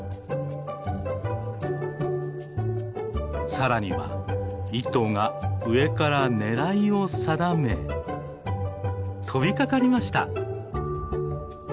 さらには一頭が上から狙いを定め飛びかかりました。